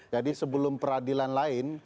jadi sebelum peradilan lain